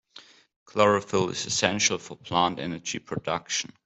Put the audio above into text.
Chlorophyll is essential for plant energy production.